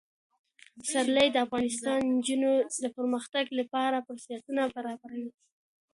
پسرلی د افغان نجونو د پرمختګ لپاره فرصتونه برابروي.